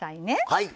はい。